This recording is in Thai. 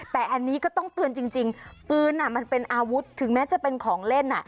แต่อันนี้ก็ต้องเตือนจริงปืนมันเป็นอาวุธถึงแม้จะเป็นของเล่น